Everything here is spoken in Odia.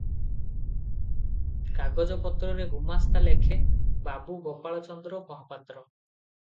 କାଗଜପତ୍ରରେ ଗୁମାସ୍ତା ଲେଖେ, 'ବାବୁ ଗୋପାଳ ଚନ୍ଦ୍ର ମହାପାତ୍ର' ।